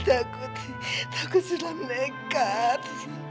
takut sulam nekat